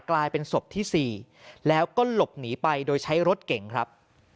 กลายเป็นศพที่๔แล้วก็หลบหนีไปโดยใช้รถเก่งครับ